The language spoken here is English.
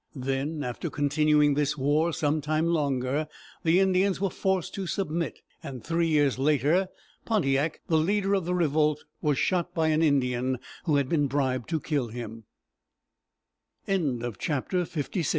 Then, after continuing this war some time longer, the Indians were forced to submit, and three years later, Pontiac, the leader of the revolt, was shot by an Indian who had been bribed to kill him.